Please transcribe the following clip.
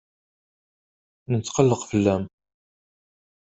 Netqelleq fell-am.